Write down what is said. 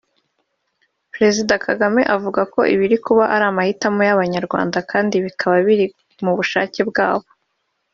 Perezida Kagame yavuze ko ibiri kuba ari amahitamo y’Abanyarwanda kandi bikaba biri mu bushake bwabo